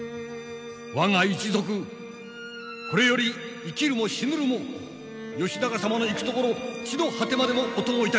我が一族これより生きるも死ぬるも義仲様の行く所地の果てまでもお供いたします！